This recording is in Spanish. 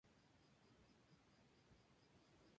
Polnareff se enfrenta a Vanilla Ice junto con Iggy.